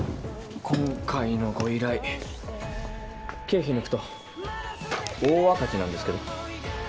今回のご依頼経費抜くと大赤字なんですけど。